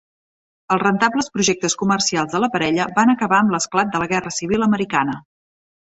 Els rentables projectes comercials de la parella van acabar amb l'esclat de la guerra civil americana.